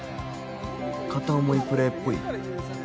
片想いプレーっぽい？